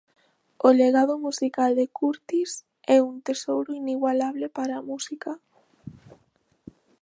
O legado musical de Curtis é un tesouro inigualable para a música.